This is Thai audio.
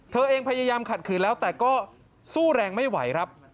เธอเองพยายามขัดขืนแล้วแต่ก็สู้แรงไม่ไหวครับ